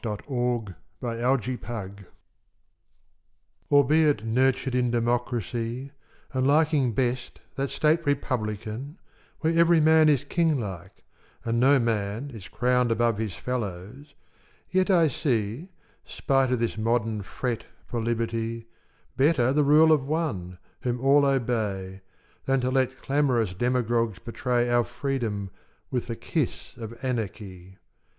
LIBERTATIS SACRA FAMES ALBEIT nurtured in democracy, And liking best that state republican Where every man is Kinglike and no man Is crowned above his fellows, yet I see, Spite of this modern fret for Liberty, Better the rule of One, whom all obey, Than to let clamorous demagogues betray Our freedom with the kiss of anarchy.